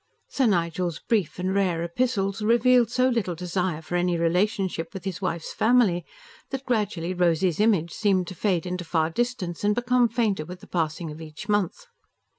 Sir Nigel's brief and rare epistles revealed so little desire for any relationship with his wife's family that gradually Rosy's image seemed to fade into far distance and become fainter with the passing of each month.